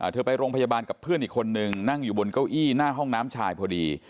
ไปโรงพยาบาลกับเพื่อนอีกคนนึงนั่งอยู่บนเก้าอี้หน้าห้องน้ำชายพอดี